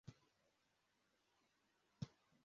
Umuhungu aramwenyura kandi koga mumazi yubururu